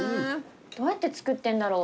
どうやって作ってんだろう？